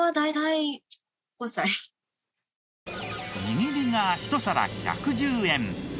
握りがひと皿１１０円。